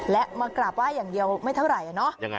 และมากราบไหว้อย่างเดียวไม่เท่าไหร่เนอะ